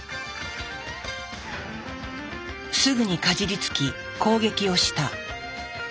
すぐにかじりつき攻撃をした。